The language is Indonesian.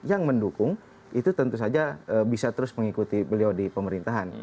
yang mendukung itu tentu saja bisa terus mengikuti beliau di pemerintahan